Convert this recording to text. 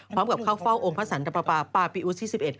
พร้อมกับเข้าเฝ้าองค์พระสรรค์ธรรมปาปราปิอุทธ์ที่๑๑